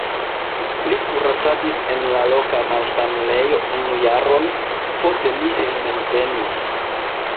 Li kuracadis en la loka malsanulejo unu jaron, poste li hejmenvenis.